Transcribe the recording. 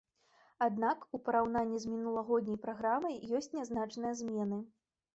Аднак, у параўнанні з мінулагодняй праграмай, ёсць нязначныя змены.